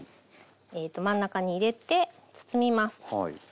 えっと真ん中に入れて包みます。